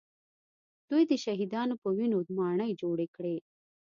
دوی د شهیدانو په وینو ماڼۍ جوړې کړې